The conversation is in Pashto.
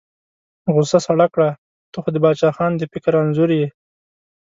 غوسه سړه کړه، ته خو د باچا خان د فکر انځورګر یې.